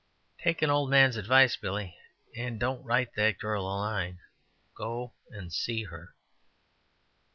"Take an old man's advice, Billy, and don't write that girl a line go and see her."